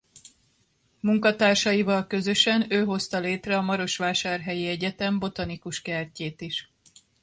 Munkatársaival közösen ő hozta létre a marosvásárhelyi egyetem botanikus kertjét is.